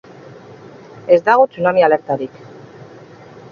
Ez dago tsunami alertarik.